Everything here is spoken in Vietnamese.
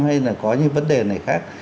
hay là có những vấn đề này khác